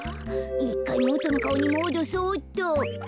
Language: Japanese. １かいもとのかおにもどそうっと。